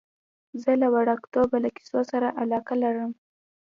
زه له وړکتوبه له کیسو سره علاقه لرم.